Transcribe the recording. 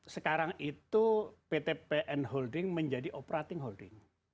sekarang itu pt pn holding menjadi operating holding